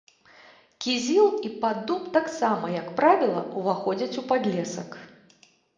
Кізіл і падуб таксама, як правіла, уваходзяць у падлесак.